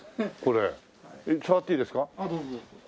これ触っていいですか？